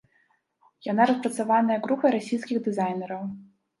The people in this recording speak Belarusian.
Яна распрацаваная групай расійскіх дызайнераў.